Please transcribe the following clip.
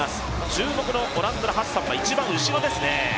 注目のオランダのハッサンは一番後ろですね。